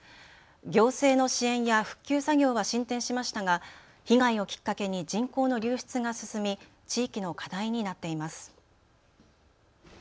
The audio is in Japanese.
行政の支援や復旧作業は進展しましたが被害をきっかけに人口の流出が進み地域の課題になっています。